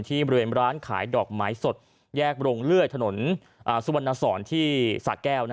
บริเวณร้านขายดอกไม้สดแยกโรงเลื่อยถนนสุวรรณสอนที่สะแก้ว